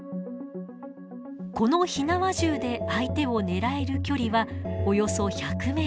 この火縄銃で相手を狙える距離はおよそ１００ｍ。